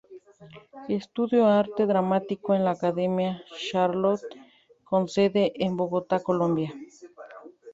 Estudió arte dramático en la "Academia Charlot", con sede en Bogotá, Colombia.